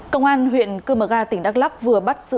công an huyện cơ mở gà tỉnh đắk lắk vừa bắt giải phóng